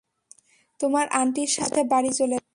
তোমার আন্টি সাথে বাড়ি চলে যাও!